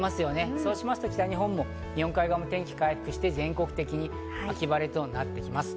そうすると北日本も日本海側も天気は回復して全国的に秋晴れとなってきます。